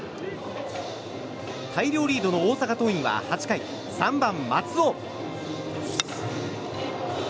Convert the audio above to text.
大量リードの大阪桐蔭は８回３番、松尾。